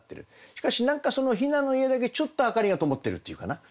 しかし何かその雛の家だけちょっと明かりがともってるっていうかな。